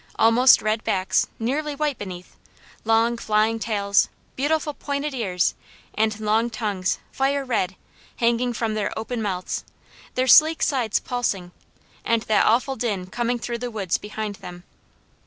Almost red backs, nearly white beneath, long flying tails, beautiful pointed ears, and long tongues, fire red, hanging from their open mouths; their sleek sides pulsing, and that awful din coming through the woods behind them.